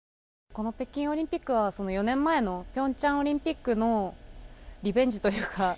この北京オリンピックは４年前の平昌オリンピックのリベンジというか。